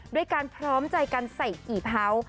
ด้วยการพร้อมใจกันใส่กี่เผา